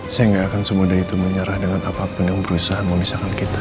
saya gak akan semudah itu menyerah dengan apa apa yang berusaha memisahkan kita